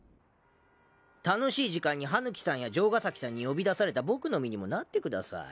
楽しい時間に羽貫さんや城ヶ崎さんに呼び出された僕の身にもなってください。